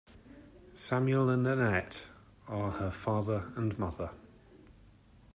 Samuel and Annette are her father and mother.